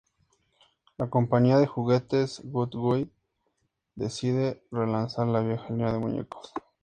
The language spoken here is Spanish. La compañía de juguetes Good Guy decide re-lanzar la vieja línea de muñecos.